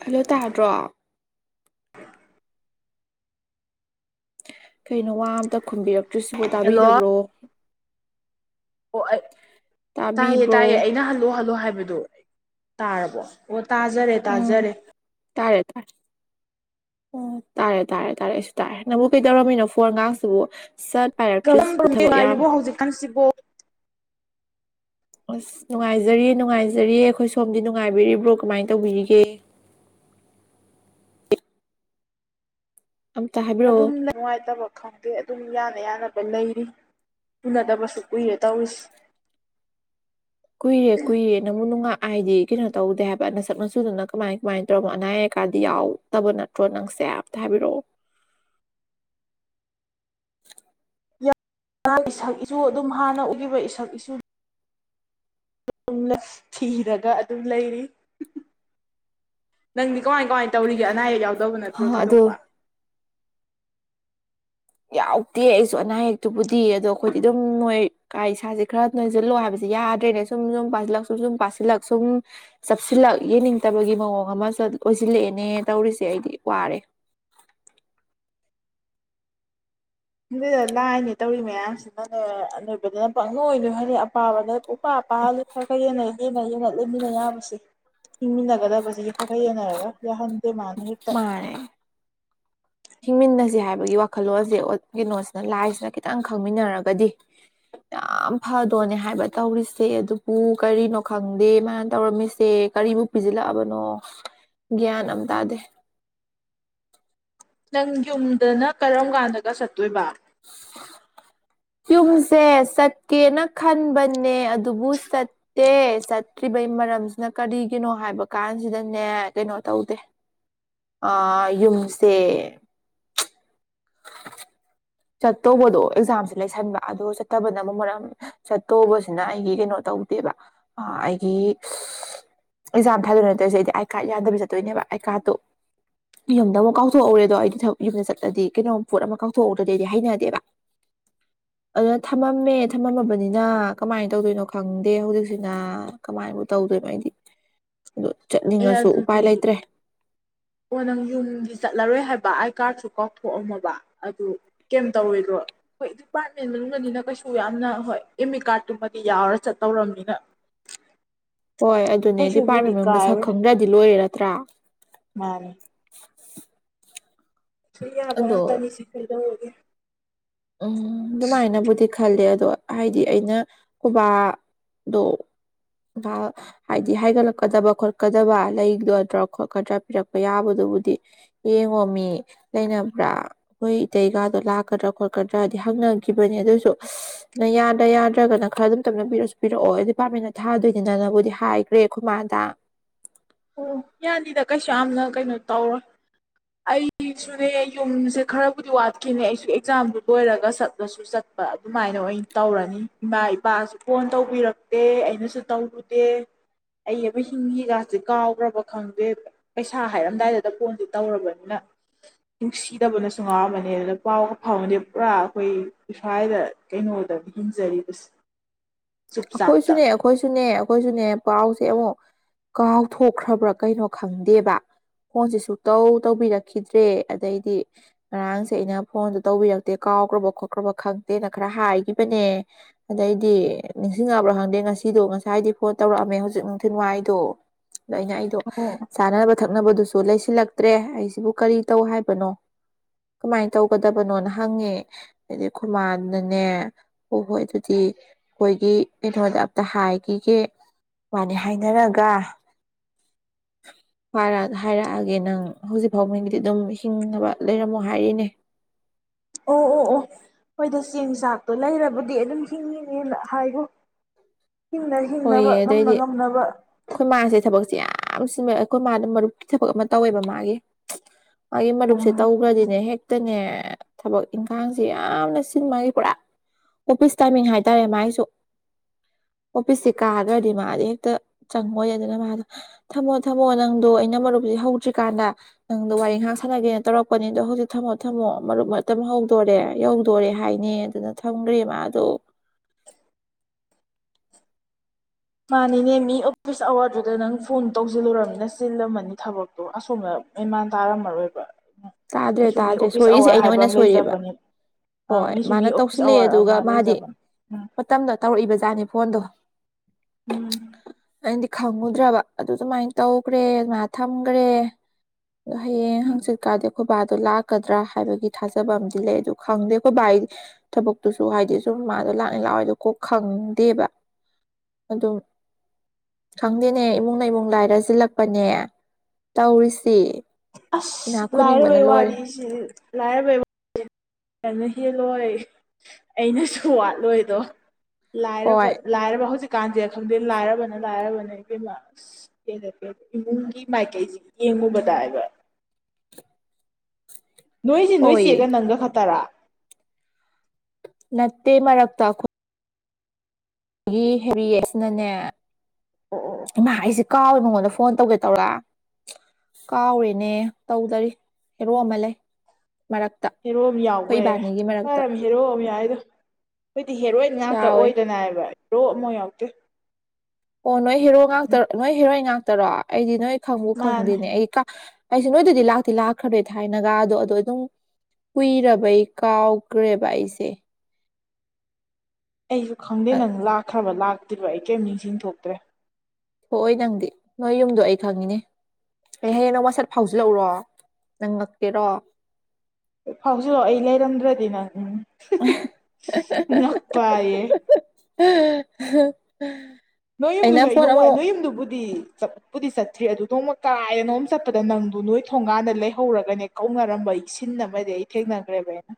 hello ꯇꯥꯗ꯭ꯔꯣ ꯀꯩ ꯀꯩꯅꯣ ꯋꯥ ꯑꯝꯇ ꯈꯨꯝꯕꯤꯔꯛꯇ꯭ꯔꯤꯁꯤꯕꯣ ꯍꯜꯂꯣ ꯇꯥꯕꯤꯗꯕ꯭ꯔꯣ ꯑꯣ ꯑꯩ ꯇꯥꯏꯌꯦ ꯇꯥꯕꯤꯕ꯭ꯔꯣ ꯇꯥꯏꯌꯦ ꯑꯩꯅ ꯍꯜꯂꯛꯑꯣ ꯍꯜꯂꯣ ꯍꯥꯏꯕꯗꯣ ꯇꯥꯔꯕꯣ ꯑꯣ ꯇꯥꯖꯔꯦ ꯎꯝ ꯇꯥꯖꯔꯦ ꯇꯥꯔꯦ ꯇꯥꯔꯦ ꯑꯣ ꯇꯥꯔꯦ ꯇꯥꯔꯦ ꯇꯥꯔꯦ ꯑꯩꯁꯨ ꯇꯥꯔꯦ ꯅꯪꯕꯨ ꯀꯩꯗꯧꯔꯝꯃꯤꯅꯣ ꯐꯣꯟꯒꯁꯤꯕꯨ ꯁꯠ ꯄꯥꯏꯔꯛꯇ꯭ꯔꯤꯁꯤꯕꯨ ꯊꯕꯛ ꯌꯥꯝ ꯍꯧꯖꯤꯛꯀꯥꯟꯁꯤꯕꯨꯣ ꯑꯁ ꯅꯨꯡꯉꯥꯏꯖꯔꯤ ꯅꯨꯡꯉꯥꯏꯖꯔꯤꯌꯦ ꯑꯩꯈꯣꯏ ꯁꯣꯝꯗꯤ ꯅꯨꯡꯉꯥꯏꯕꯤꯔꯤꯕ꯭ꯔꯣ ꯀꯃꯥꯏꯅ ꯇꯧꯕꯤꯔꯤꯒꯦ ꯑꯝꯇ ꯍꯥꯏꯕꯤꯔꯛꯑꯣ ꯑꯗꯨꯝ ꯅꯨꯡꯉꯥꯏꯇꯕ ꯈꯪꯗꯦ ꯑꯗꯨꯝ ꯌꯥꯅ ꯌꯥꯅꯕ ꯂꯩꯔꯤ ꯎꯨꯅꯗꯕꯁꯨ ꯀꯨꯏꯔꯦ ꯇꯧꯔꯤꯁꯤ ꯀꯨꯏꯔꯦ ꯀꯨꯏꯔꯦ ꯅꯪꯕꯨ ꯅꯨꯡꯉꯥꯛ ꯍꯥꯏꯗꯤ ꯀꯩꯅꯣ ꯇꯧꯗꯦ ꯍꯥꯏꯕ ꯅꯁꯛ ꯃꯁꯨꯨꯗꯨꯅ ꯀꯃꯥꯏ ꯀꯃꯥꯏꯅ ꯇꯧꯔꯅꯣ ꯑꯅꯥ ꯑꯌꯦꯛꯀꯥꯟꯗꯤ ꯌꯥꯎ ꯇꯕ ꯅꯠꯇ꯭ꯔꯣ ꯅꯪꯁꯦ ꯑꯝꯇ ꯍꯥꯏꯕꯤꯔꯛꯑꯣ ꯛ ꯏꯆꯨ ꯑꯗꯨꯝ ꯍꯥꯟꯅ ꯎꯈꯤꯕ ꯏꯁꯛ ꯏꯆꯨ ꯝꯅ ꯊꯤꯔꯒ ꯑꯗꯨꯝ ꯂꯩꯔꯤ ꯅꯪꯗꯤ ꯀꯃꯥꯏ ꯀꯃꯥꯏ ꯇꯧꯔꯤꯒꯦ ꯑꯅꯥ ꯑꯌꯦꯛ ꯌꯥꯎꯗꯕ ꯍ ꯅꯠꯇ꯭ꯔꯣ ꯑꯗꯣ ꯊꯣꯏꯗꯣꯛꯄ ꯌꯥꯎꯗꯦ ꯑꯩꯁꯨ ꯑꯅꯥ ꯑꯌꯦꯛꯇꯨꯕꯨꯗꯤ ꯑꯗꯣ ꯑꯩꯈꯣꯏꯗꯤ ꯑꯗꯨꯝ ꯅꯣꯏ ꯀꯥ ꯏꯁꯥꯁꯦ ꯈꯔ ꯅꯣꯏꯁꯤꯜꯂꯣ ꯍꯥꯏꯕꯁꯦ ꯌꯥꯗ꯭ꯔꯦꯅꯦ ꯁꯨꯝ ꯁꯨꯝ ꯄꯥꯁꯤꯜꯂꯛ ꯁꯨꯝ ꯁꯨꯝ ꯄꯥꯁꯤꯜꯂꯛ ꯁꯨꯝ ꯆꯁꯤꯜꯂꯛ ꯌꯦꯡꯅꯤꯡꯗꯕꯒꯤ ꯃꯑꯣꯡ ꯑꯃ ꯑꯣꯏꯁꯤꯜꯂꯛꯑꯦꯅꯦ ꯇꯧꯔꯤꯁꯦ ꯑꯩꯗꯤ ꯋꯥꯔꯦ ꯑꯗꯨꯗ ꯂꯥꯏꯅꯦ ꯇꯧꯔꯤ ꯃꯌꯥꯝꯁꯤꯅ ꯑꯅꯣꯏꯕꯗꯅ ꯄꯪꯉ ꯑꯣꯏꯗꯣꯏ ꯍꯥꯏꯗꯤ ꯑꯄꯥꯕꯗ ꯎꯄꯥ ꯄꯥꯜ ꯈꯔ ꯈꯔ ꯌꯦꯦꯟꯅ ꯍꯦꯟꯅ ꯌꯦꯟꯅ ꯂꯩꯃꯤꯟꯅ ꯌꯥꯕꯁꯦ ꯍꯤꯡꯃꯤꯟꯅꯒꯗꯕꯁꯤꯒ ꯈꯔ ꯈꯔ ꯌꯦꯟꯅꯔꯒ ꯌꯥꯍꯟ ꯃꯥꯔꯦ ꯍꯤꯡꯃꯤꯟꯅꯁꯤ ꯍꯥꯏꯕꯒꯤ ꯋꯥꯈꯜꯂꯣꯟꯁꯦ ꯀꯩꯅꯣꯁꯤꯅ ꯂꯥꯏꯁꯤꯅ ꯈꯤꯇꯪ ꯈꯪꯃꯤꯟꯅꯔꯒꯗꯤ ꯌꯥꯝ ꯐꯗꯣꯅꯦ ꯍꯥꯏꯕ ꯇꯧꯔꯤꯁꯦ ꯑꯗꯨꯕꯨ ꯀꯔꯤꯅꯣ ꯈꯪꯗꯦ ꯃꯥꯥꯏꯅ ꯇꯧꯔꯝꯃꯤꯁꯦ ꯀꯔꯤꯕꯨꯛ ꯄꯤꯁꯤꯜꯂꯛꯑꯕꯅꯣ ꯒ꯭ꯌꯥꯟ ꯑꯝ ꯇꯥꯗꯦ ꯅꯪ ꯌꯨꯝꯗꯅ ꯀꯔꯝ ꯀꯥꯟꯗꯒ ꯆꯠꯇꯣꯏꯕ ꯏꯅꯥꯎꯗꯤꯕꯂꯦ ꯌꯨꯝꯁꯦ ꯆꯠꯀꯦꯅ ꯈꯟꯕꯅꯦ ꯑꯗꯨꯕꯨ ꯆꯠꯇꯦ ꯆꯠꯇ꯭ꯔꯤꯕꯩ ꯃꯔꯝꯁꯤꯅ ꯀꯔꯤꯒꯤꯅꯣ ꯍꯥꯏꯕ ꯀꯥꯟꯁꯤꯗꯅꯦ ꯀꯩꯅꯣ ꯇꯧꯗꯦ ꯑ ꯌꯨꯝꯁꯦ ꯆꯠꯇꯧꯕꯗꯣ ꯑꯦꯛꯖꯥꯝꯁꯦ ꯂꯩꯁꯟꯕ ꯑꯗꯣ ꯆꯠꯇꯕꯅ ꯑꯃꯨꯛ ꯃꯔꯝ ꯆꯠꯇꯣꯧꯕꯁꯤꯅ ꯑꯩꯒꯤ ꯀꯩꯅꯣ ꯇꯧꯗꯦꯕ ꯑꯩꯒꯤ ꯑꯦꯛꯖꯥꯝ ꯊꯥꯗꯅ ꯅꯠꯇꯧꯁꯦ ꯑꯩꯗꯤ ꯑꯥꯏ ꯀꯥꯗꯠꯗꯕ ꯆꯠꯇꯣꯏꯅꯦꯕ ꯑꯥꯏꯥꯠꯇꯣ ꯌꯨꯝꯗ ꯑꯃꯨꯛ ꯀꯥꯎꯊꯣꯛꯍꯎꯔꯦꯗꯣ ꯑꯩꯗꯤꯕꯛ ꯌꯨꯝꯗ ꯆꯠꯂꯗꯤ ꯀꯩꯅꯣꯝ ꯄꯣꯠ ꯑꯃ ꯀꯥꯎꯊꯣꯛꯎꯗꯗꯩꯗꯤ ꯍꯩꯅꯗꯦꯕ ꯑꯗꯨꯅ ꯊꯝꯃꯝꯃꯦ ꯊꯝꯃꯝꯃꯕꯅꯤꯅ ꯀꯃꯥꯏꯅ ꯇꯧꯗꯣꯏꯅꯣ ꯈꯪꯗꯦ ꯍꯧꯖꯤꯛꯁꯤꯅ ꯀꯃꯥꯏꯅꯕꯨꯧ ꯇꯧꯗꯣꯏꯅꯣ ꯑꯩꯗꯤ ꯑꯣ ꯑꯦ ꯆꯠꯅꯤꯡꯉꯁꯨ ꯎꯄꯥꯏ ꯑꯗꯨꯗꯤ ꯂꯩꯇ꯭ꯔꯦ ꯑꯣ ꯅꯪ ꯌꯨꯝꯗꯤ ꯆꯠꯂꯔꯣꯏ ꯍꯥꯏꯕ ꯑꯥꯏ ꯀꯥꯔꯗꯁꯨ ꯀꯥꯎꯊꯣꯛꯑꯝꯃꯕ ꯑꯗꯨ ꯀꯩ ꯇꯧꯔꯣꯏꯗ꯭ꯔꯣ ꯍꯣꯏ ꯗꯤꯄꯥꯔꯠꯃꯦꯟ ꯃꯅꯨꯡꯅꯤꯅ ꯀꯩꯁꯨ ꯌꯥꯝꯅ ꯍꯣꯏ ꯑꯦꯝ ꯏ ꯀꯥꯔꯗꯇꯨꯃꯗꯤ ꯌꯥꯎꯔ ꯆꯠꯇꯧꯔꯕꯅꯤꯅ ꯍꯣꯏ ꯑꯗꯨꯅꯦ ꯀꯩꯁꯨꯕꯨꯗꯤ ꯗꯤꯄꯥꯔꯠꯃꯦꯟ ꯃꯅꯨꯡꯗ ꯁꯛ ꯀꯥꯏꯔꯣꯏ ꯈꯪꯗ꯭ꯔꯗꯤ ꯂꯣꯏꯔꯦ ꯅꯠꯇ꯭ꯔꯥ ꯃꯥꯝ ꯁ ꯌꯥꯕ ꯑꯗꯣ ꯋꯥ ꯇꯅꯤꯁꯤꯦ ꯐꯂꯒꯦ ꯎꯝ ꯑꯗꯨꯃꯥꯏꯅꯕꯨꯗꯤ ꯈꯜꯂꯦ ꯑꯗꯣ ꯍꯥꯏꯗꯤ ꯑꯩꯅ ꯈꯨꯕꯥ ꯗꯣ ꯍꯥꯏꯗꯤ ꯍꯥꯏꯒꯠꯂꯛꯀꯗꯕ ꯈꯣꯠꯀꯗꯕ ꯂꯩꯒꯗ꯭ꯔꯥ ꯈꯣꯠꯀꯗ꯭ꯔꯥ ꯄꯤꯔꯛꯄ ꯌꯥꯕꯗꯨꯕꯨꯗꯤ ꯌꯦꯡꯉꯣ ꯃꯤ ꯂꯩꯅꯕ꯭ꯔꯥ ꯅꯣꯏ ꯏꯇꯩꯒꯥꯗꯣ ꯂꯥꯛꯀꯗ꯭ꯔꯥ ꯈꯣꯠ ꯀꯗ꯭ꯔꯗꯤ ꯍꯪꯅꯈꯤꯕꯅꯤ ꯑꯗꯨꯁꯨ ꯅ ꯌꯥꯗ꯭ꯔ ꯌꯥꯗ꯭ꯔꯒꯅ ꯈꯔ ꯑꯗꯨꯝ ꯇꯞꯅ ꯄꯤꯔꯁꯨ ꯄꯤꯔꯛꯑꯣ ꯗꯤꯄꯥꯔꯠꯃꯦꯟꯅ ꯊꯥꯗꯣꯏꯅꯤꯅꯅꯕꯨꯗꯤ ꯍꯥꯏ ꯔꯦ ꯑꯈꯨꯃꯥꯗ ꯑꯣ ꯌꯥꯅꯤꯗ ꯀꯩꯁꯨ ꯌꯥꯝꯅ ꯀꯩꯅꯣ ꯇꯧꯔꯣꯏ ꯑꯩꯁꯨꯅꯦ ꯌꯨꯝꯁꯦ ꯈꯔꯕꯨꯗꯤ ꯋꯥꯠꯈꯤꯅꯦ ꯑꯩꯁꯨ ꯑꯦꯛꯖꯥꯝꯗꯨ ꯂꯣꯏꯔꯒ ꯆꯠꯂꯁꯨ ꯆꯠ ꯑꯗꯨꯃꯥꯏꯅ ꯑꯣꯏꯅ ꯇꯧꯔꯅꯤ ꯏꯃꯥ ꯏꯄꯥꯁꯨ ꯐꯣꯟ ꯇꯧꯕꯤꯔꯛꯇꯦ ꯑꯩꯅꯁꯨ ꯇꯧꯔꯨꯗꯦ ꯑꯩ ꯑꯃ ꯍꯤꯡꯉꯤꯒ ꯁꯤ ꯀꯥꯎꯈ꯭ꯔꯕ ꯈꯪꯗꯦ ꯄꯩꯁꯥ ꯍꯥꯏꯔꯝꯗꯥꯏꯗꯗ ꯐꯣꯟꯗꯤ ꯇꯧꯔꯕꯅꯤꯅ ꯅꯨꯡꯁꯤꯗꯕꯅꯁꯨ ꯉꯥꯎꯔꯝꯃꯅꯤ ꯑꯗꯨꯅ ꯄꯥꯎꯒ ꯐꯥꯎꯕꯗꯤ ꯄꯨꯔꯥ ꯑꯩꯈꯣꯏ ꯁ꯭ꯋꯥꯏꯗ ꯀꯩꯅꯣꯗ ꯍꯤꯡꯖꯔꯤꯕꯁꯤ ꯑꯩꯈꯣꯏꯁꯨꯅꯦ ꯑꯩꯈꯣꯏꯁꯨꯅꯦ ꯑꯩꯈꯣꯏꯁꯨꯅꯦ ꯄꯥꯎꯁꯦ ꯑꯃꯨꯛ ꯀꯥꯎꯊꯣꯛꯈ꯭ꯔꯕ꯭ꯔꯥ ꯀꯩꯅꯣ ꯈꯪꯗꯦꯕ ꯐꯣꯟꯁꯦ ꯁꯨꯛꯇꯧ ꯇꯧꯕꯤꯔꯛꯈꯤꯗ꯭ꯔꯦ ꯑꯗꯩꯗꯤ ꯉꯔꯥꯡꯁꯦ ꯑꯩꯅ ꯐꯣꯟꯗꯣ ꯇꯧꯕꯤꯔꯛꯇꯦ ꯀꯥꯎꯈ꯭ꯔꯕꯣ ꯈꯣꯠꯈ꯭ꯔꯕ ꯈꯪꯗꯦꯅ ꯈꯔ ꯍꯥꯏꯈꯤꯕꯅꯦ ꯑꯗꯩꯗꯤ ꯅꯤꯡꯁꯤꯡꯉꯕ꯭ꯔꯥ ꯈꯪꯗꯦ ꯉꯁꯤꯗꯣ ꯉꯁꯥꯏꯗꯤ ꯐꯣꯟ ꯇꯧꯔꯛꯑꯝꯃꯦ ꯍꯧꯖꯤꯛ ꯅꯨꯡꯊꯤꯜꯋꯥꯏꯗꯣ ꯑꯗ ꯑꯩꯅ ꯑꯣ ꯆꯥꯅꯕ ꯊꯛꯅꯕꯗꯨꯁꯨ ꯂꯩꯁꯤꯜꯂꯛꯇ꯭ꯔꯦ ꯑꯩꯁꯤꯕꯨ ꯀꯔꯤ ꯇꯧ ꯍꯥꯏꯕꯅꯣ ꯀꯃꯥꯏꯅ ꯇꯧꯒꯗꯕꯅꯣꯅ ꯍꯪꯉꯦ ꯍꯥꯏꯗꯤ ꯈꯨꯃꯥꯟꯅꯅꯦ ꯍꯣꯏ ꯍꯣꯏ ꯑꯗꯨꯗꯤ ꯑꯩꯈꯣꯏꯒꯤ ꯀꯩꯅꯣꯗ ꯑꯝꯇ ꯍꯥꯏꯒꯤꯒꯦ ꯃꯥꯅꯤ ꯍꯥꯏꯅꯔꯒ [inaudible] ꯃꯥꯟꯅ ꯍꯥꯏꯔꯛꯑꯒꯦ ꯅꯪ ꯍꯧꯖꯤꯛ ꯐꯥꯎꯕꯃꯤꯡꯒꯤꯗꯤ ꯑꯗꯨꯝ ꯍꯤꯡꯅꯕ ꯂꯩꯔꯝꯃꯣ ꯍꯥꯏꯔꯤꯅꯦ ꯑꯣ ꯑꯣ ꯑꯣ ꯈꯣꯏꯗ ꯆꯦꯡ ꯆꯥꯛꯇꯣ ꯂꯩꯔꯕꯨꯗꯤ ꯑꯗꯨꯝ ꯍꯤꯡꯉꯤꯅꯦ ꯅ ꯍꯥꯏꯒꯣ ꯍꯤꯡꯅ ꯍꯤꯡꯅꯕ ꯍꯣꯏꯌꯦ ꯉꯝꯅ ꯑꯗꯩꯗꯤ ꯉꯝꯅꯕ ꯑꯩꯈꯣꯏ ꯃꯥꯁꯦ ꯊꯕꯛꯁꯦ ꯌꯥꯝ ꯁꯤꯃꯛꯑꯦ ꯑꯩꯈꯣꯏ ꯃꯥꯅ ꯃꯔꯨꯞꯀꯤ ꯊꯕꯛ ꯑꯃ ꯇꯧꯋꯦꯕ ꯃꯥꯒꯤ ꯃꯥꯒꯤ ꯃꯔꯨꯞꯁꯦ ꯎꯝ ꯇꯧꯈ꯭ꯔꯗꯤꯅꯦ ꯍꯦꯛꯇꯅꯦ ꯊꯕꯛ ꯏꯟꯈꯥꯡꯁꯦ ꯌꯥꯝꯅ ꯁꯤꯟꯕꯒꯤ ꯄꯨꯔꯥ ꯑꯣꯐꯤꯁ ꯇꯥꯏꯃꯤꯡ ꯍꯥꯏꯇꯥꯔꯦ ꯃꯥꯏꯁꯨ ꯑꯣꯐꯤꯁꯁꯤ ꯀꯥꯈ꯭ꯔꯗꯤ ꯃꯥꯗꯤ ꯍꯦꯛꯇ ꯆꯪꯉꯣꯏ ꯑꯗꯨꯅ ꯃꯥꯗ ꯊꯝꯃꯣ ꯊꯝꯃꯣ ꯅꯪꯗꯣ ꯑꯩꯅ ꯃꯔꯨꯞꯁꯦ ꯍꯧꯗ꯭ꯔꯤꯀꯥꯟꯗ ꯅꯪꯗꯣ ꯋꯥꯔꯤ ꯉꯥꯏꯍꯥꯛ ꯁꯥꯟꯅꯒꯦꯅ ꯇꯧꯔꯛꯄꯅꯤ ꯑꯗꯣ ꯍꯧꯖꯤꯛ ꯊꯝꯃꯣ ꯊꯝꯃꯣ ꯃꯔꯨꯞ ꯃꯇꯝ ꯍꯧꯗꯣꯔꯦ ꯌꯧꯗꯣꯔꯦ ꯍꯥꯏꯅꯦ ꯑꯗꯨꯅ ꯊꯝꯒ꯭ꯔꯦ ꯃꯥꯗꯣ ꯃꯥꯅꯤꯅꯦ ꯃꯤ ꯑꯣꯐꯤꯁ ꯑꯋꯥꯔꯗꯨꯗ ꯅꯪ ꯐꯣꯟ ꯇꯧꯖꯤꯜꯂꯨꯔꯝꯅꯤꯅ ꯆꯤꯜꯂꯝꯃꯅꯤ ꯊꯕꯛ ꯑꯗꯣ ꯑꯁꯣꯝꯅ ꯃꯦꯟꯃꯥꯟ ꯇꯥꯔꯝꯃꯔꯣꯏꯕ ꯇꯥꯗ꯭ꯔꯦ ꯃꯤꯁꯨ ꯃꯤ ꯇꯥꯗ꯭ꯔꯦ ꯑꯣꯐꯤꯁ ꯁꯣꯏꯔꯤꯁꯦ ꯑꯋꯥꯔ ꯑꯩꯅ ꯍꯥꯏꯕ ꯑꯣꯏꯅ ꯑꯃ ꯁꯣꯏꯔꯦꯕ ꯂꯩꯖꯕꯅꯦ ꯑ ꯍꯣꯏ ꯃꯤꯁꯨ ꯃꯤ ꯃꯥꯅ ꯑꯣꯐꯤꯁ ꯇꯧꯁꯤꯜꯂꯛꯑꯦ ꯑꯋꯥꯔ ꯑꯗꯨꯒ ꯑꯃ ꯃꯥꯗꯤ ꯂꯩꯖꯕꯅꯦ ꯎꯝ ꯃꯇꯝꯗ ꯇꯧꯔꯛꯏꯕꯖꯥꯠꯅꯤ ꯐꯣꯟꯗꯣ ꯎꯝ ꯑꯩꯗꯤ ꯈꯪꯉꯨꯗ꯭ꯔꯕ ꯑꯗꯨ ꯑꯗꯨꯃꯥꯏꯅ ꯇꯧꯈ꯭ꯔꯦ ꯑꯗꯨꯃꯥꯏꯅ ꯊꯝꯒ꯭ꯔꯦ ꯑꯗꯣ ꯍꯌꯦꯡ ꯍꯪꯆꯤꯠ ꯀꯥꯗꯦ ꯑꯩꯈꯣꯏ ꯕꯥꯗꯣ ꯂꯥꯛꯀꯗ꯭ꯔꯥ ꯍꯥꯏꯕꯒꯤ ꯊꯥꯖꯕ ꯑꯃꯗꯤ ꯂꯩ ꯑꯗꯨ ꯈꯪꯗꯦ ꯑꯩꯈꯣꯏ ꯕꯥꯏꯗꯤ ꯊꯕꯛꯇꯨꯁꯨ ꯍꯥꯏꯗꯤ ꯁꯨꯝ ꯃꯥꯗꯣ ꯂꯥꯛꯅꯤ ꯂꯥꯛꯑꯣꯏꯗꯣ ꯀꯣ ꯈꯪꯗꯦꯕ ꯑꯗꯨꯝ ꯈꯪꯗꯦꯅꯦ ꯏꯃꯨꯡꯅ ꯏꯃꯨꯡ ꯂꯥꯏꯔꯖꯤꯜꯂꯛꯄꯅꯦ ꯇꯧꯔꯤꯁꯤ ꯑꯁ ꯏꯅꯥꯛ ꯈꯨꯟꯅꯤꯡꯕꯅ ꯂꯥꯏꯔꯕ ꯩ ꯂꯣꯏꯔꯦ ꯋꯥꯅꯤꯁꯤ ꯂꯥꯏꯔꯕꯩ ꯅꯪꯅ ꯍꯦꯜꯂꯣꯏ ꯑꯩꯅꯁꯨ ꯋꯥꯠꯂꯣꯏꯗꯣ ꯍꯣꯏ ꯂꯥꯏꯔꯕ ꯂꯥꯏꯔꯕ ꯍꯧꯖꯤꯛꯀꯥꯟꯁꯦ ꯈꯪꯗꯦ ꯂꯥꯏꯔꯕꯅ ꯂꯥꯏꯔꯕꯅ ꯏꯕꯦꯝꯃ ꯑꯁ ꯄꯦꯜꯂꯦ ꯄꯦꯜꯂꯦ ꯏꯃꯨꯡꯒꯤ ꯃꯥꯏꯀꯩꯁꯤ ꯌꯦꯡꯉꯨꯕꯗꯥꯏꯕ ꯅꯣꯏꯖꯦ ꯅꯣꯏ ꯍꯣꯏ ꯆꯦ ꯒ ꯅꯪꯒ ꯈꯠꯇꯔ ꯅꯠꯇꯦ ꯃꯔꯔꯛ ꯇꯥꯈ ꯑꯩꯒꯤ ꯍꯦꯔꯤꯌꯦꯁꯅꯅꯦ ꯑꯣ ꯑꯣ ꯑꯣ ꯏꯃꯥ ꯑꯩꯖꯦ ꯀꯥꯎꯋꯦ ꯃꯉꯣꯟꯗ ꯐꯣꯟ ꯇꯧꯒꯦ ꯇꯧꯔ ꯀꯥꯎꯔꯦꯅꯦ ꯇꯧꯗꯔꯤ ꯍꯦꯔꯣꯛ ꯑꯃ ꯂꯩ ꯃꯔꯛ ꯍꯦꯔꯣ ꯑꯃ ꯌꯥꯎꯋꯦ ꯐꯔꯃꯤ ꯍꯦꯔꯣ ꯑꯃ ꯌꯥꯏꯗꯣ ꯑꯩꯣꯏꯗꯤ ꯍꯦꯔꯣꯏ ꯉꯥꯛꯇ ꯌꯥꯎꯋꯦ ꯑꯣꯏꯗꯅꯕ ꯏꯔꯣꯛ ꯑꯃꯥꯎ ꯌꯥꯎꯗꯦ ꯑꯣ ꯅꯣꯏ ꯍꯦꯔꯣ ꯉꯥꯛꯇ ꯅꯣꯏ ꯍꯦꯔꯣꯏ ꯉꯥꯛꯇꯔꯣ ꯑꯩꯗꯤ ꯅꯣꯏ ꯈꯪꯕꯨ ꯃꯥꯅꯦ ꯈꯪꯗꯦꯅꯦ ꯑꯩ ꯑꯩꯁꯦ ꯅꯣꯏꯗꯗꯤ ꯂꯥꯛꯇꯤ ꯂꯥꯛꯈ꯭ꯔꯔꯣꯏ ꯊꯥꯏꯅꯒ ꯑꯗꯣ ꯑꯗꯣ ꯑꯗꯨꯝ ꯀꯨꯏꯔꯕꯩ ꯀꯥꯎꯈ꯭ꯔꯦꯕ ꯑꯩꯁꯦ ꯑꯩꯁꯨ ꯈꯪꯗꯦ ꯅꯪ ꯂꯥꯛꯈ꯭ꯔꯕ ꯂꯥꯛꯇ꯭ꯔꯤꯕ ꯑꯩ ꯀꯔꯤꯝ ꯅꯤꯡꯁꯤꯡ ꯊꯣꯛꯇ꯭ꯔꯦ ꯊꯣꯛꯑꯣꯏ ꯅꯪꯗꯤ ꯅꯣꯏ ꯌꯨꯝꯗꯣ ꯑꯩ ꯊꯪꯉꯤꯅꯦ ꯑꯩ ꯍꯌꯦꯡ ꯅꯪ ꯋꯥꯁꯠ ꯐꯥꯎꯁꯨ ꯂꯧꯔꯣ ꯅꯪ ꯉꯛꯀꯦꯔꯣ ꯐꯥꯎꯁꯤꯜꯂꯛ ꯑꯩ ꯂꯩꯔꯝꯗ꯭ꯔꯗꯤ ꯅꯪ ꯎ ꯉꯥꯛꯄꯌꯦ [inaudible] ꯅꯣꯏ ꯑꯩꯅ ꯌꯨꯝꯗꯨꯁꯨ ꯑꯩ ꯐꯣꯟ ꯅꯣꯡꯃꯏ ꯑꯃꯨꯛ ꯅꯣꯏ ꯌꯨꯝꯗꯨꯕꯨꯗꯤ ꯄꯨꯕꯨꯗꯤ ꯆꯠꯇ꯭ꯔꯤ ꯑꯗꯨ ꯅꯣꯡꯃ ꯀꯥꯏꯅꯣꯃꯝ ꯆꯠꯄꯗ ꯅꯪꯗꯨ ꯅꯣꯏ ꯊꯣꯡꯒꯥꯟꯗ ꯂꯩꯍꯧꯔꯒꯅꯦ ꯀꯧꯅꯔꯝꯕ ꯁꯤꯟ ꯑꯃꯗꯤ ꯑꯩ ꯊꯦꯡꯅꯈ꯭ꯔꯦꯕ ꯑꯩꯅ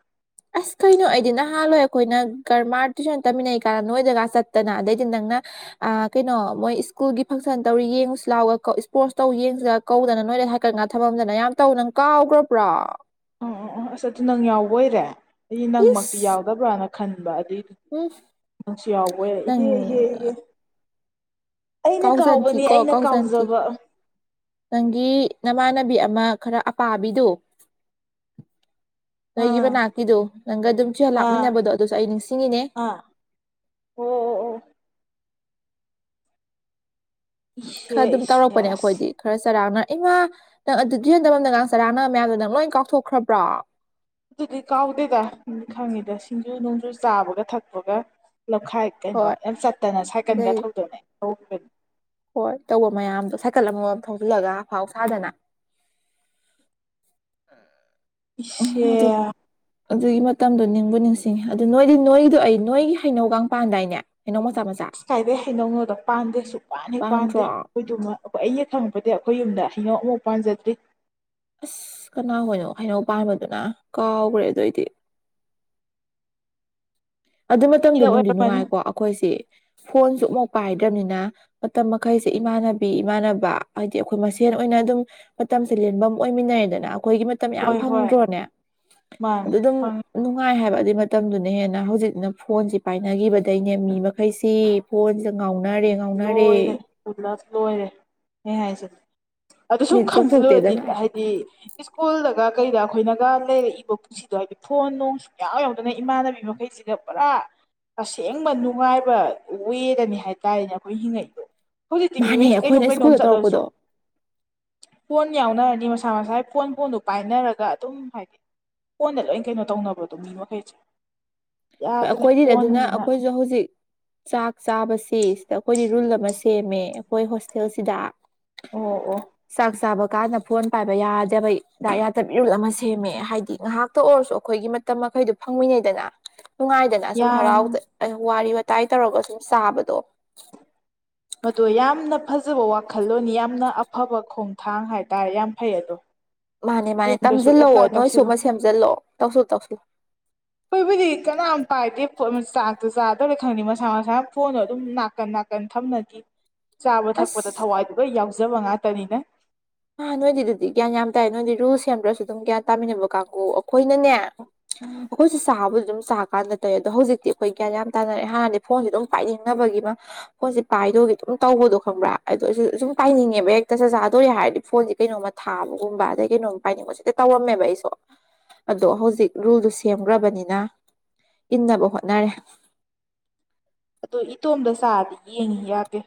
ꯑꯁ ꯀꯩꯅꯣ ꯑꯩꯗꯤ ꯅꯍꯥꯟꯋꯥꯣꯏ ꯑꯩꯈꯣꯏꯅ ꯀꯔꯃꯔ ꯇꯨꯏꯁꯟ ꯇꯝꯃꯤꯟꯅꯩ ꯀꯥꯟꯗ ꯅꯣꯏꯗꯒ ꯆꯠꯇꯅ ꯑꯗꯩꯗꯤ ꯅꯪꯅ ꯑ ꯀꯩꯅꯣ ꯃꯣꯏ ꯁ꯭ꯀꯨꯜꯒꯤ ꯐꯪꯁꯟ ꯇꯧꯔꯤ ꯌꯦꯡꯉꯨꯁꯤ ꯂꯥꯎꯒ ꯏꯁꯄꯣꯔꯠꯁ ꯇꯧ ꯌꯦꯡꯁꯤ ꯀꯧꯗꯅ ꯅꯣꯏꯗ ꯍꯥꯏꯀꯠ ꯉꯥ ꯊꯝꯃꯝꯗꯅ ꯌꯥꯝ ꯇꯧꯅꯪ ꯀꯥꯎꯈ꯭ꯔꯕ꯭ꯔꯥ ꯑ ꯑ ꯑ ꯑꯁ ꯑꯗꯨ ꯅꯪ ꯌꯥꯎꯕꯣꯏꯔꯦ ꯑꯩ ꯅꯪꯃꯛꯇꯤ ꯏꯁ ꯌꯥꯎꯗꯕ꯭ꯔꯅ ꯈꯟꯕ ꯑꯗꯨꯏꯗꯤ ꯎꯝ ꯑꯁꯤ ꯌꯥꯎꯕ ꯅꯪ ꯍ ꯍ ꯑꯩꯅ ꯀꯥꯎꯕꯅꯤ ꯀꯥꯎꯖꯟꯊꯤꯀꯣ ꯑꯩꯅ ꯀꯥꯎꯖꯟꯊꯤ ꯀꯥꯎꯖꯕ ꯅꯪꯒꯤ ꯅꯃꯥꯟꯅꯕꯤ ꯑꯃ ꯈꯔ ꯑꯄꯥꯕꯤꯗꯣ ꯅꯣꯏꯒꯤ ꯑꯥ ꯃꯅꯥꯛꯀꯤꯗꯣ ꯅꯪꯒ ꯑꯗꯨꯝ ꯑꯥ ꯆꯨꯍꯜꯂꯥꯛꯃꯤꯟꯅꯕꯗꯣ ꯑꯗꯨꯁꯨ ꯑꯩ ꯅꯤꯡꯁꯤꯡꯉꯤꯅꯦ ꯑꯥ ꯑꯣ ꯑꯣ ꯑꯣ ꯈꯔ ꯏꯁꯦ ꯑꯗꯨꯝ ꯏꯁꯦ ꯇꯧꯔꯛꯄꯅꯦ ꯑꯁ ꯑꯩꯈꯣꯏꯗꯤ ꯈꯔ ꯆꯔꯥꯡꯅꯔ ꯏꯃꯥ ꯅꯪ ꯑꯗꯨꯗꯤꯣꯟꯗꯝꯗꯒꯥꯡ ꯆꯔꯥꯡꯅꯕ ꯃꯌꯥꯝꯗꯣ ꯅꯪ ꯂꯣꯏ ꯀꯥꯎꯊꯣꯛꯈ꯭ꯔꯕ꯭ꯔꯣ ꯑꯗꯨꯗꯤ ꯀꯥꯎꯗꯦꯗ ꯈꯪꯉꯤꯗ ꯁꯤꯡꯖꯨ ꯅꯨꯡꯖꯨ ꯆꯥꯕꯒ ꯊꯛꯄꯒ ꯂꯧꯈꯥꯏ ꯀꯩꯅꯣ ꯍꯣꯏ ꯌꯥꯝ ꯆꯠꯇꯅ ꯁꯥꯏꯀꯜꯒ ꯑꯗꯩ ꯊꯧꯗꯣꯛꯅꯦ ꯍꯧꯈꯤꯕꯅꯤ ꯍꯣꯏ ꯇꯧꯕ ꯃꯌꯥꯝꯗꯣ ꯁꯥꯏꯀꯜ ꯑꯃꯃꯝ ꯊꯧꯖꯤꯜꯂꯒ ꯑꯐꯥꯎ ꯁꯥꯥꯗꯅ [inaudible] ꯎꯝ ꯑꯗꯨ ꯏꯁ ꯑꯗꯨꯒꯤ ꯃꯇꯝꯗꯣ ꯅꯤꯡꯕꯨ ꯅꯤꯡꯁꯤꯡꯉꯤ ꯑꯗꯨ ꯅꯣꯏꯗꯤ ꯅꯣꯏꯒꯤꯗꯣ ꯑꯩ ꯅꯣꯏꯒꯤ ꯍꯩꯅꯧꯒ ꯄꯥꯟꯗꯥꯏꯅꯦ ꯀꯩꯅꯣ ꯃꯆꯥ ꯃꯆꯥ ꯑꯁ ꯀꯥꯏꯗꯦ ꯍꯩꯅꯧꯅꯣꯗ ꯄꯥꯟꯗꯦ ꯁꯨ ꯄꯥꯟꯅꯤ ꯄꯥꯟꯗ꯭ꯔꯣ ꯄꯥꯟꯗꯦ ꯑꯩꯈꯣꯏꯗꯨꯃ ꯑꯩꯈꯣꯏ ꯑ ꯍ ꯈꯪꯉꯛꯄꯗꯤ ꯑꯩꯈꯣꯏ ꯌꯨꯝꯗ ꯍꯩꯅꯧ ꯑꯃꯐꯥꯎ ꯄꯥꯟꯖꯗ꯭ꯔꯤ ꯑꯁ ꯀꯅꯥ ꯍꯅꯣ ꯍꯩꯅꯧ ꯄꯥꯟꯕꯗꯨꯅ ꯀꯥꯎꯈ꯭ꯔꯦ ꯑꯗꯨꯏꯗꯤ ꯑꯗꯨ ꯃꯇꯝꯗꯣ ꯃꯤꯒꯤꯗ ꯅꯨꯡꯗꯤ ꯑꯣꯏꯔꯝꯃꯅꯤ ꯅꯨꯡꯉꯥꯏꯀꯣ ꯑꯩꯈꯣꯏꯁꯤ ꯐꯣꯟꯁꯨꯐꯥꯎ ꯄꯥꯏꯗ꯭ꯔꯕꯅꯤꯅ ꯃꯇꯝ ꯃꯈꯩꯁꯦ ꯏꯃꯥꯟꯅꯕꯤ ꯏꯃꯥꯟꯅꯕ ꯍꯥꯏꯗꯤ ꯑꯩꯈꯣꯏ ꯃꯁꯦꯟ ꯑꯣꯏꯅ ꯑꯗꯨꯝ ꯃꯇꯝꯁꯦ ꯂꯦꯟꯐꯝ ꯑꯣꯏꯃꯤꯟꯅꯩꯗꯅ ꯑꯩꯈꯣꯏꯒꯤ ꯃꯇꯝ ꯌꯥꯝ ꯍꯣꯏ ꯍꯣꯏ ꯐꯪꯗ꯭ꯔꯣꯅꯦ ꯃꯥꯅꯤ ꯑꯗꯨ ꯑꯗꯨꯝ ꯐꯪꯉꯤ ꯅꯨꯡꯉꯥꯏ ꯍꯥꯏꯕ ꯑꯗꯨꯏ ꯃꯇꯝꯗꯨꯅ ꯍꯦꯟꯅ ꯍꯧꯖꯤꯛ ꯅ ꯐꯣꯟꯁꯤ ꯄꯥꯏꯅꯈꯤꯕꯗꯩꯅꯦ ꯃꯤ ꯃꯈꯩꯁꯤ ꯐꯣꯟꯁꯦ ꯉꯥꯎꯅꯔꯦ ꯉꯥꯎꯅꯔꯦ ꯂꯣꯏꯔꯦ ꯄꯨꯜꯂꯞ ꯂꯣꯏꯔꯦ ꯑꯩ ꯍꯥꯏꯁꯤꯒꯦ ꯑꯗꯨ ꯁꯨꯝ ꯃꯤꯠ ꯆꯣꯡꯊꯣꯛꯇꯦꯗ ꯈꯟꯖꯤꯜꯂꯨꯔꯗꯤ ꯉꯥꯏ ꯍꯥꯏꯗꯤ ꯁ꯭ꯀꯨꯜꯗꯒ ꯀꯩꯗ ꯑꯩꯈꯣꯏꯅꯒ ꯂꯩꯔꯛꯏꯕ ꯁꯤꯗꯣ ꯍꯥꯏꯗꯤ ꯐꯣꯟ ꯅꯨꯡꯁꯨ ꯃꯎ ꯌꯥꯎꯗꯅ ꯏꯃꯥꯟꯅꯕꯤ ꯃꯈꯩꯁꯤꯗ ꯄꯨꯔꯥ ꯑꯁꯦꯡꯕ ꯅꯨꯡꯉꯥꯏꯕ ꯋꯦꯔꯅꯤ ꯍꯥꯏꯇꯥꯔꯦꯅꯦ ꯑꯩꯈꯣꯏ ꯍꯤꯡꯉꯩꯗꯣ ꯍꯧꯖꯤꯛꯇꯤ ꯃꯥꯅꯦ ꯃꯤꯍꯩꯁꯤ ꯀꯩꯅꯣꯝ ꯑꯩꯈꯣꯏꯅ ꯀꯩꯅꯣꯝ ꯁ꯭ꯀꯨꯜꯗ ꯆꯠꯂꯁꯨ ꯇꯧꯔꯛꯄꯗꯣ ꯍꯣꯏ ꯐꯣꯟ ꯌꯥꯎꯅꯔꯅꯤ ꯃꯁꯥ ꯃꯁꯥ ꯐꯣꯟ ꯐꯣꯟꯗ ꯄꯥꯏꯅꯔꯒ ꯑꯗꯨꯝ ꯍꯥꯏꯗꯤ ꯐꯣꯟꯗ ꯂꯣꯏ ꯀꯩꯅꯣ ꯇꯧꯅꯕꯗꯣ ꯃꯤ ꯃꯈꯩꯁꯦ ꯌꯥꯗ꯭ꯔꯦ ꯑꯩꯈꯣꯏꯗꯤ ꯑꯗꯨꯅ ꯐꯣꯟꯁꯤꯅ ꯑꯩꯈꯣꯏꯁꯨ ꯍꯧꯖꯤꯛ ꯆꯥꯛ ꯆꯥꯕꯁꯤ ꯁꯤꯗ ꯑꯩꯈꯣꯏꯗꯤ ꯔꯨꯜ ꯑꯃ ꯁꯦꯝꯃꯦ ꯑꯩꯈꯣꯏ ꯍꯣꯁꯇꯦꯜꯁꯤꯗ ꯑꯣ ꯑꯣ ꯆꯥꯛ ꯆꯥꯕ ꯀꯥꯟꯗ ꯐꯣꯟ ꯄꯥꯏꯕ ꯌꯥꯗꯕ ꯌꯥꯗꯕ ꯏꯔꯨꯜ ꯑꯃ ꯁꯦꯝꯃꯦ ꯍꯥꯏꯗꯤ ꯉꯥꯏꯍꯥꯛꯇ ꯑꯣꯏꯔꯁꯨ ꯑꯩꯈꯣꯏꯒꯤ ꯇ ꯃꯈꯩꯗꯨꯣ ꯐꯪꯃꯤꯅꯩꯗꯅ ꯅꯨꯡꯉꯥꯏꯗꯅ ꯁꯁꯨꯝ ꯌꯥꯝ ꯍꯔꯥꯎꯗ ꯋꯥꯔꯤ ꯋꯥꯋꯇꯥꯏ ꯇꯧꯔꯒ ꯁꯨꯝ ꯆꯥꯕꯗꯣ ꯃꯗꯣ ꯌꯥꯝꯅ ꯐꯖꯕ ꯋꯥꯈꯜꯂꯣꯟ ꯌꯥꯝꯅ ꯑꯐꯕ ꯈꯣꯡꯊꯥꯡ ꯍꯥꯏꯇꯥꯔꯦ ꯌꯥꯝ ꯐꯩ ꯑꯗꯣ ꯃꯥꯅꯦ ꯃꯥꯅꯦ ꯌꯨꯝꯗꯁꯨ ꯇꯝꯁꯤꯜꯂꯛꯑꯣ ꯑꯦꯄ꯭ꯂꯥꯏ ꯅꯣꯏ ꯁ ꯇꯧꯁꯤꯜꯂꯨ ꯑꯃ ꯁꯦꯝꯖꯤꯜꯂꯛꯑꯣ ꯇꯧꯁꯨ ꯇꯧꯁꯤꯜ ꯑꯩꯏꯕꯨꯗꯤ ꯀꯅꯥꯝ ꯄꯥꯏꯗꯦ ꯆꯥꯛꯇꯣ ꯆꯥꯗꯧꯅ ꯈꯪꯗꯦ ꯃꯁꯥ ꯃꯁꯥꯅ ꯐꯣꯟꯗꯣ ꯑꯗꯨꯝ ꯅꯥꯀꯟ ꯅꯥꯀꯟ ꯊꯝꯅꯗꯦ ꯆꯥꯕ ꯊꯛꯄꯗ ꯑꯁ ꯊꯋꯥꯏꯗꯨꯒ ꯌꯥꯎꯖꯕ ꯉꯥꯛꯇꯅꯤꯅ ꯍꯥ ꯅꯣꯏꯗꯤꯗꯨꯗꯤ ꯒ꯭ꯌꯥ ꯌꯥꯝ ꯇꯥꯏꯌꯦ ꯅꯣꯏꯗꯤ ꯔꯨꯜ ꯁꯦꯝꯗ꯭ꯔꯁꯨ ꯑꯗꯨꯝ ꯒ꯭ꯌꯥꯟ ꯇꯥꯟꯅꯕ ꯀꯥꯡꯕꯨꯨ ꯑꯩꯈꯣꯏꯅꯅꯦ [inaudible] ꯑꯩꯈꯣꯏꯁꯦ ꯆꯥꯕꯕꯨꯗꯤ ꯑꯗꯨꯝ ꯆꯥꯀꯥꯟꯗ ꯇꯧꯦ ꯑꯗꯣ ꯍꯧꯖꯤꯛꯇꯤ ꯑꯩꯈꯣꯏ ꯒ꯭ꯌꯥꯟ ꯌꯥꯝ ꯇꯅꯔꯑꯦ ꯍꯥꯟꯗꯤ ꯐꯣꯟꯁꯦ ꯑꯗꯨꯝ ꯄꯥꯏꯅꯤꯡꯅꯕꯒꯤ ꯃꯥ ꯍꯣꯏꯁ ꯄꯥꯏꯗꯣꯏꯒꯦ ꯑꯗꯨꯝ ꯇꯧꯕꯗꯣ ꯈꯪꯕ꯭ꯔꯥ ꯑꯗꯣ ꯑꯩꯁꯨ ꯁꯨꯝ ꯄꯥꯏꯅꯤꯡꯉꯦꯕ ꯍꯦꯛꯇ ꯆ ꯆꯥꯗꯣ ꯍꯥꯏꯔꯗꯤ ꯐꯣꯟꯁꯦ ꯀꯩꯅꯣꯝꯃ ꯊꯥꯕꯒꯨꯝꯕ ꯑꯗꯩ ꯀꯩꯅꯣꯝꯃ ꯄꯥꯏꯅꯤꯡꯕ ꯁꯤꯗ ꯇꯧꯔꯝꯃꯦꯕ ꯑꯩꯁꯨ ꯑꯗꯣ ꯍꯧꯖꯤꯛ ꯔꯨꯜꯗꯨ ꯁꯦꯝꯈ꯭ꯔꯕꯅꯤꯅ ꯏꯟꯅꯕ ꯍꯣꯠꯅꯔꯦ ꯑꯗ ꯏꯇꯣꯝꯗ ꯆꯥꯗꯤ ꯌꯦꯡꯉꯤ ꯌꯥꯗꯦ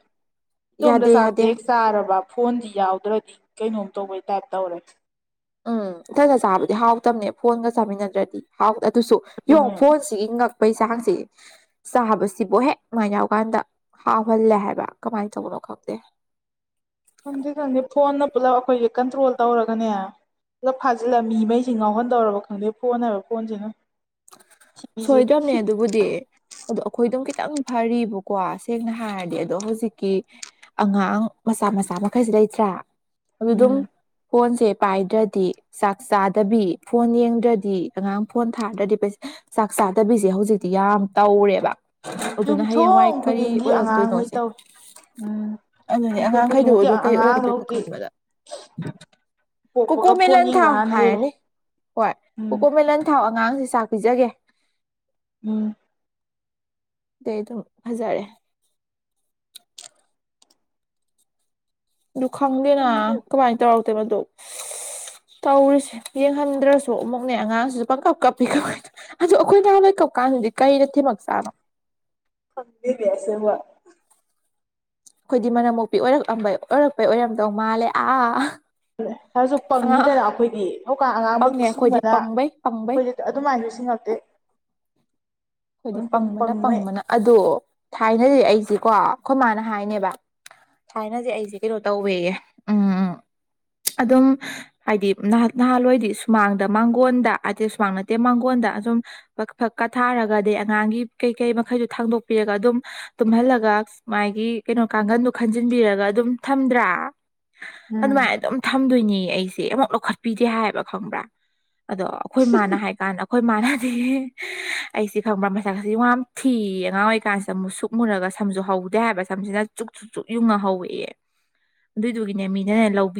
ꯏꯇꯣꯝꯗ ꯌꯥꯗꯦ ꯆꯥ ꯌꯥꯗꯦ ꯆꯥꯔꯕ ꯐꯣꯟꯗꯤ ꯌꯥꯎꯗ꯭ꯔꯗꯤ ꯀꯩꯅꯣꯝ ꯇꯧꯕꯩ ꯇꯥꯏꯞ ꯇꯧꯔꯦ ꯎꯝ ꯏꯊꯟꯒ ꯆꯥꯕꯗꯤ ꯍꯥꯎꯇꯕꯅꯦ ꯐꯣꯟꯒ ꯆꯥꯃꯤꯟꯅꯗ꯭ꯔꯗꯤ ꯍꯥꯎꯗꯦ ꯑꯗꯨꯁꯨ ꯌꯦꯡꯉꯣ ꯑꯗꯨꯅꯦ ꯐꯣꯟ ꯁꯤꯒꯤ ꯉꯛꯄꯩ ꯆꯥꯡꯁꯦ ꯆꯥꯕꯁꯤꯕꯨ ꯍꯦꯛ ꯃꯃꯥꯏꯅ ꯌꯥꯎꯀꯥꯟꯗ ꯍꯥꯎꯍꯜꯂꯦ ꯍꯥꯏꯕ ꯀꯃꯥꯏꯅ ꯇꯧꯕꯅꯣ ꯈꯪꯗꯦ ꯈꯪꯗꯦꯗ ꯐꯣꯟꯅ ꯄꯨꯂꯞ ꯑꯩꯈꯣꯏꯒꯤ ꯀꯟꯇ꯭ꯔꯣꯜ ꯇꯧꯔꯒꯅꯦ ꯄꯨꯂ ꯐꯥꯖꯤꯜꯂꯃꯤ ꯃꯩꯁꯤꯡ ꯉꯥꯎꯍꯟꯗꯧꯔꯕ ꯈꯪꯗꯦ ꯐꯣꯟ ꯍꯥꯏꯕ ꯐꯣꯟꯁꯤꯅ ꯊꯤꯕꯤꯁꯦ ꯁꯣꯏꯗ꯭ꯔꯕꯅꯦ ꯑꯗꯨꯕꯨꯗꯤ ꯑꯗꯣ ꯑꯩꯈꯣꯏ ꯑꯗꯨꯝ ꯈꯤꯇꯪ ꯐꯔꯤꯕꯀꯣ ꯁꯦꯡꯅ ꯍꯥꯏꯔꯗꯤ ꯑꯗꯣ ꯍꯧꯖꯤꯛꯀꯤ ꯑꯉꯥꯡ ꯃꯆꯥ ꯃꯆꯥ ꯃꯈꯩꯁꯤ ꯂꯩꯇ꯭ꯔꯥ ꯑꯗꯨꯗꯨꯝ ꯎꯝ ꯐꯣꯟꯁꯦ ꯄꯥꯏꯗ꯭ꯔꯗꯤ ꯆꯥꯛ ꯆꯥꯗꯕꯤ ꯐꯣꯟ ꯌꯦꯡꯗ꯭ꯔꯗꯤ ꯑꯉꯥꯡ ꯐꯣꯟ ꯊꯥꯗ꯭ꯔꯗꯤ ꯄꯩꯁꯥ ꯆꯥꯛ ꯆꯥꯗꯕꯤꯁꯦ ꯍꯧꯖꯤꯛꯇꯤ ꯌꯥꯝ ꯇꯧꯔꯦꯕ ꯑꯗꯨꯅ ꯍꯌꯦꯡꯋꯥꯏ ꯌꯨꯝꯊꯣꯡ ꯀꯔꯤ ꯈꯨꯗꯤꯡꯒꯤ ꯑꯉꯥꯡꯉꯩ ꯑꯣꯏꯔꯛꯇꯣꯏꯅꯣꯁꯦ ꯇꯧꯋꯤ ꯎꯝ ꯑꯗꯨꯅꯦ ꯌꯨꯝꯊꯣꯡ ꯑꯉꯥꯡꯈꯩꯗꯨ ꯈꯨꯗꯤꯡꯃꯛꯀꯤ ꯑꯗꯨ ꯀꯩ ꯑꯉꯥꯡꯗꯣ ꯑꯣꯏꯔꯛꯇꯦꯀꯣ ꯍꯧꯖꯤꯛ ꯈꯟꯕꯗ ꯄꯣꯛꯄꯒ ꯐꯣꯟ ꯀꯣꯀꯣꯃꯦꯂꯟ ꯌꯦꯡꯕ ꯊꯥꯎ ꯍꯥꯟꯅ ꯍꯩꯔꯦ ꯍꯥꯏꯔꯅꯤ ꯍꯣꯏ ꯎꯝ ꯀꯣꯀꯣꯃꯦꯂꯟ ꯊꯥꯎ ꯑꯉꯥꯡꯁꯦ ꯆꯥꯛ ꯄꯤꯖꯒꯦ ꯎꯝ ꯑꯗꯨ ꯑꯗꯨꯝ ꯐꯖꯔꯦ ꯑꯗꯨ ꯈꯪꯗꯦꯅ ꯀꯃꯥꯏꯅ ꯇꯧꯔꯛꯇꯦꯕꯗꯨꯣ ꯇꯧꯔꯤꯁꯦ ꯌꯦꯡꯍꯟꯗ꯭ꯔꯁꯨ ꯑꯃꯨꯛꯅꯦ ꯑꯉꯥꯡꯁꯤꯁꯨ ꯄꯪꯀꯞ ꯀꯞꯄꯤ ꯀ ꯑꯗꯨꯗꯣ ꯑꯩꯈꯣꯏ ꯅꯍꯥꯟ ꯂꯩ ꯀꯛꯄ ꯀꯥꯟꯗꯗꯤ ꯀꯔꯤꯗ ꯊꯤꯃꯛ ꯆꯥꯔꯣ ꯈꯪꯕꯤꯕꯤꯁꯦꯕꯨ ꯑꯩꯈꯣꯏꯗꯤ ꯃꯅꯝ ꯃꯣꯛꯄꯤ ꯑꯣꯏꯔꯛꯂꯝꯕꯩ ꯑꯣꯏꯔꯛꯄꯩ ꯑꯣꯏꯔꯝꯗꯧ ꯃꯥꯜꯂꯦ ꯑꯥ ꯁꯥꯔꯁꯨ ꯑꯉꯥꯡ ꯄꯪꯉꯤꯗꯅ ꯑꯩꯈꯣꯏꯗꯤ ꯍꯧꯀꯥꯟ ꯑꯉꯥꯡꯈꯩꯗꯤ ꯄꯪꯉꯦ ꯑꯩꯈꯣꯏꯗꯤ ꯁꯤꯁꯤꯡꯕꯅ ꯄꯪꯕꯩ ꯄꯪꯕꯩ ꯑꯩꯈꯣꯏꯗꯤ ꯑꯗꯨꯃꯥꯏꯅ ꯁꯤ ꯅꯛꯇꯦ ꯑꯩꯈꯣꯏꯗꯤ ꯄꯪꯕꯅ ꯄꯪꯉꯩ ꯄꯪꯕꯅ ꯑꯗꯣ ꯊꯥꯏꯅꯁꯦ ꯑꯩꯁꯦꯀꯣ ꯑꯩꯈꯣꯏ ꯃꯥꯅ ꯍꯥꯏꯅꯦꯕ ꯊꯥꯏꯅꯗꯤꯦ ꯑꯩꯁꯦ ꯀꯩꯅꯣ ꯇꯧꯋꯦꯌꯦ ꯎꯝ ꯎꯝ ꯑꯗꯨꯝ ꯍꯥꯏꯗꯤ ꯅ ꯅꯍꯥꯟꯋꯥꯏꯗꯤ ꯁꯨꯃꯥꯡꯗ ꯃꯥꯡꯒꯣꯟꯜꯗ ꯍꯥꯏꯇꯩ ꯁꯨꯃꯥꯡ ꯅꯠꯇꯦ ꯃꯥꯡꯒꯣꯟꯗ ꯁꯨꯝ ꯐꯛ ꯀꯥ ꯊꯥꯔꯒ ꯑꯗꯩ ꯑꯉꯥꯡꯒꯤ ꯀꯩ ꯀꯩ ꯃꯈꯩꯗꯨ ꯊꯥꯡꯗꯣꯛꯄꯤꯔꯒ ꯑꯗꯨꯝ ꯇꯨꯝꯍꯜꯂꯒ ꯃꯥꯒꯤ ꯀꯩꯅꯣ ꯀꯥꯡꯒꯟꯗꯣ ꯈꯟꯖꯤꯟꯕꯤꯔꯒ ꯑꯗꯨꯝ ꯊꯝꯗ꯭ꯔꯥ ꯎꯝ ꯑꯗꯨꯃꯥꯏꯅ ꯑꯗꯨꯝ ꯊꯝꯗꯣꯏꯅꯤ ꯑꯩꯁꯦ ꯑꯃꯨꯛ ꯂꯧꯈꯠꯄꯤꯗꯦ ꯍꯥꯏꯕ ꯈꯪꯕ꯭ꯔꯥ ꯑꯗꯣ ꯑꯩꯈꯣꯏ ꯃꯥꯅ ꯍꯥꯏ ꯀꯥꯟꯗ ꯑꯩꯈꯣꯏ ꯏ ꯃꯥꯅꯗꯤ ꯑꯩꯁꯤ ꯈꯪꯕ꯭ꯔꯥ ꯃꯁꯥꯛꯁꯤ ꯌꯥꯝ ꯊꯤ ꯑꯉꯥꯡ ꯑꯣꯏꯔꯤꯀꯥꯟꯁꯤꯗꯨꯛ ꯁꯨꯛ ꯃꯨꯔꯒ ꯁꯝꯁꯨ ꯍꯧꯗꯦ ꯍꯥꯏꯕ ꯁꯝꯁꯤꯅ ꯁꯨꯛꯁꯨꯨꯛ ꯌꯨꯡꯉ ꯍꯧꯔꯛꯑꯦ ꯑꯗꯨꯏꯗꯨꯒꯤꯅꯦ ꯃꯤꯅꯅꯦ ꯂꯧꯕꯤ